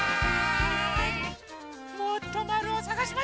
もっとまるをさがしましょう！